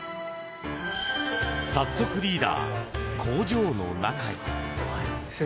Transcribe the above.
早速リーダー、工場の中へ。